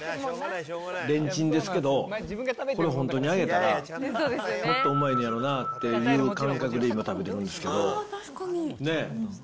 レンチンですけど、これ本当に揚げたら、もっとうまいのやろなっていう感覚で今、食べてるんですけど。ね。